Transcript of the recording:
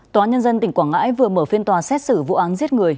tòa nhân dân tỉnh quảng ngãi vừa mở phiên tòa xét xử vụ án giết người